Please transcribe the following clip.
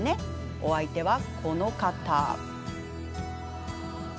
お相手は、この方。